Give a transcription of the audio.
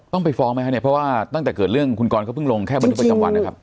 ต้องไปฟ้องไหมครับเนี่ยเพราะว่าตั้งแต่เกิดเรื่องคุณกรเขาเพิ่งลงแค่บันทึกประจำวันนะครับ